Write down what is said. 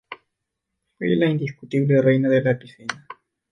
Fue la indiscutible reina de la piscina.